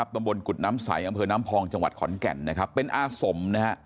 ตำบลกุฎน้ำใสอำเภอน้ำพองจังหวัดขอนแก่นนะครับเป็นอาสมนะฮะ